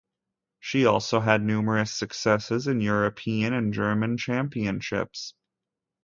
She also had numerous successes in European and German championships.